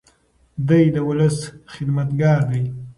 دی د ولس خدمتګار دی.